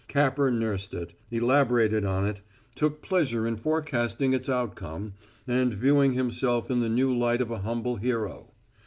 Capper nursed it, elaborated on it, took pleasure in forecasting its outcome, and viewing himself in the new light of a humble hero.